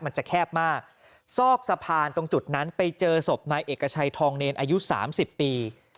มันจะแคบมากซอกสะพานตรงจุดนั้นไปเจอศพนายเอกชัยทองเนรอายุสามสิบปี